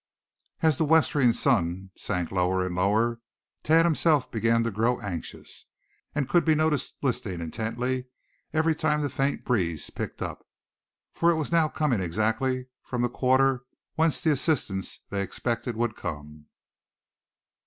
As the westering sun sank lower and lower, Thad himself began to grow anxious; and could be noticed listening intently every time the faint breeze picked up; for it was now coming exactly from the quarter whence the assistance they expected would come.